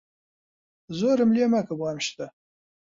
زۆرم لێ مەکە بۆ ئەم شتە.